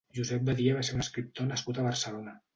Josep Badia va ser un escriptor nascut a Barcelona.